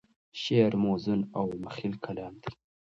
شعر موزون او مخیل کلام دی.